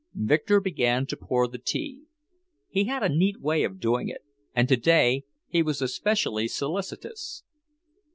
Victor began to pour the tea. He had a neat way of doing it, and today he was especially solicitous.